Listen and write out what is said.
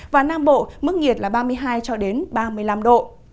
và nam bộ mức nhiệt là ba mươi hai ba mươi năm độ